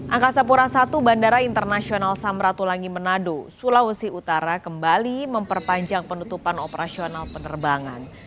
angkasa pura i bandara internasional samratulangi manado sulawesi utara kembali memperpanjang penutupan operasional penerbangan